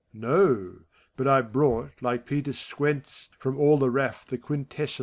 No ! But I've brought, like Peter Squence, From all the raff the quintessence.